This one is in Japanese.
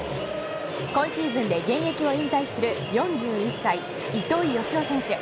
今シーズンで現役を引退する４１歳、糸井嘉男選手。